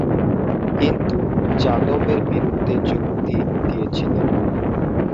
কিন্তু যাদব এর বিরুদ্ধে যুক্তি দিয়েছিলেন।